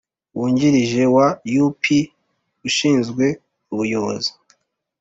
Wungirije wa U P ushinzwe ubuyobozi